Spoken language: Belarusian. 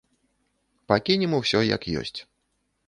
Пакінем усё як ёсць.